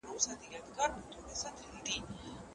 په دې وروستیو ورځو کي مي